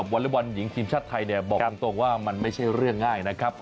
อเล็กบอลหญิงทีมชาติไทยบอกตรงว่ามันไม่ใช่เรื่องง่ายนะครับ